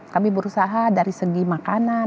kami berusaha dari segi makanan